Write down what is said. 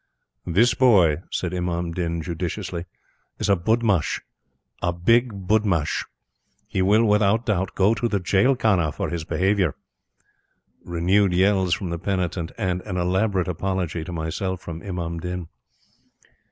"This boy," said Imam Din, judicially, "is a budmash, a big budmash. He will, without doubt, go to the jail khana for his behavior." Renewed yells from the penitent, and an elaborate apology to myself from Imam Din.